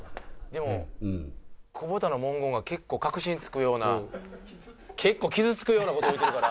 でも久保田の文言が結構核心突くような結構傷つくような事を言うてるから。